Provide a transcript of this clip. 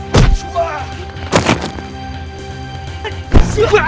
prafa bakal mu gang